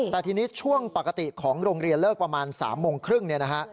แต่ทีนี้ช่วงปกติของโรงเรียนเลิกประมาณ๓โมงครึ่งเนี่ยนะฮะ